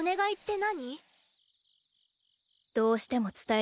何？